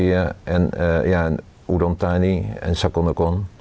แล้วเขามาเพื่อฝากกันสิ